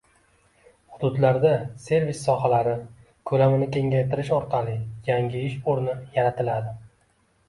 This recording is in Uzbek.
Hududlarda servis sohalari ko‘lamini kengaytirish orqali yangi ish o‘rni yaratiladi.